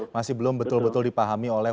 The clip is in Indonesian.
masih belum betul betul dipahami oleh